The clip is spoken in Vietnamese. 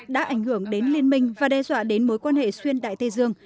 đã ảnh hưởng đến liên minh và đe dọa đến mối quan hệ xuyên đại tây dương